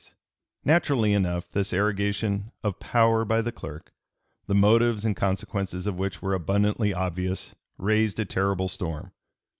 Wise] Naturally enough this arrogation of power by the clerk, the motives and consequences of which were abundantly obvious, raised a terrible storm.